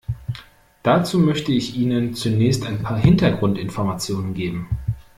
Dazu möchte ich Ihnen zunächst ein paar Hintergrundinformationen geben.